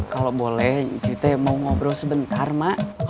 kalau boleh kita mau ngobrol sebentar mak